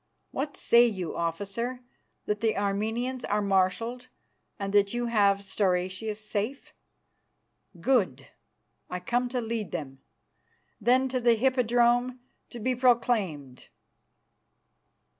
What say you, Officer? That the Armenians are marshalled and that you have Stauracius safe? Good! I come to lead them. Then to the Hippodrome to be proclaimed."